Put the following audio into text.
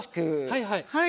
はいはい。